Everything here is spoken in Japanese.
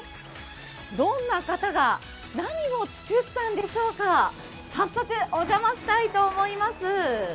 どんな方が何を作ったんでしょうか早速お邪魔したいと思います。